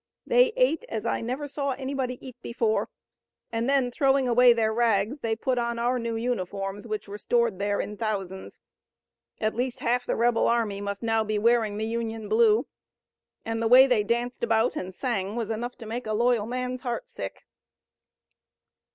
They ate as I never saw anybody eat before, and then throwing away their rags they put on our new uniforms which were stored there in thousands. At least half the rebel army must now be wearing the Union blue. And the way they danced about and sang was enough to make a loyal man's heart sick."